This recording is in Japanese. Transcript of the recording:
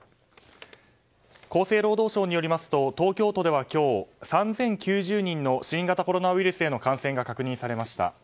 厚生労働省によりますと東京都では今日３０９０人の新型コロナウイルスへの感染が確認されました。